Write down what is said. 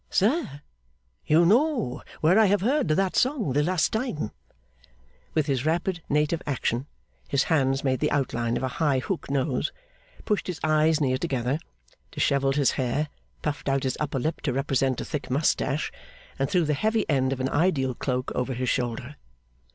'Sir! You know where I have heard that song the last time?' With his rapid native action, his hands made the outline of a high hook nose, pushed his eyes near together, dishevelled his hair, puffed out his upper lip to represent a thick moustache, and threw the heavy end of an ideal cloak over his shoulder.